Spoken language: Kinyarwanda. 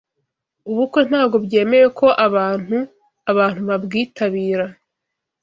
Ubukwe ntago byemewe ko abantu abantu babwitabira